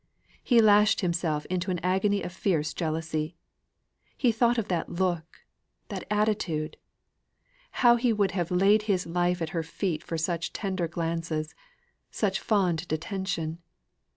He lashed himself into an agony of fierce jealousy. He thought of that look, that attitude! how he would have laid his life at her feet for such tender glances, such fond detention!